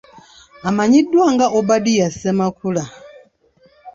Amanyiddwa nga Obadia Ssemakula.